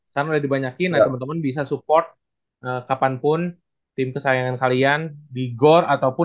karena dibanyakin teman teman bisa support kapanpun tim kesayangan kalian di gor ataupun